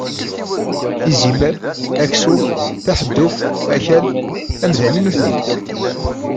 Izimer, aksum, taḥedduft, akal, amdan i nutni.